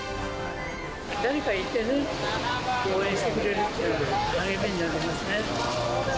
誰かいてね、応援してくれるっていうのは、励みになりますね。